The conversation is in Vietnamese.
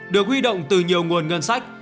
được huy động từ nhiều nguồn ngân sách